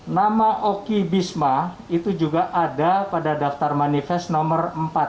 nama oki bisma itu juga ada pada daftar manifest nomor empat